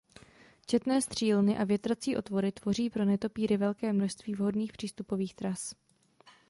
Četné střílny a větrací otvory tvoří pro netopýry množství vhodných přístupových tras.